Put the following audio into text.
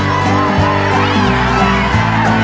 มาต่อชีวิตเป็นคนต่อไปสมาชิกในบ้านเหลืออีก๓ท่านด้วยกัน